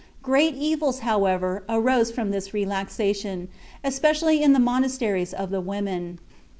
* Great evils, however, arose from this relaxation, especially in the monasteries of the women.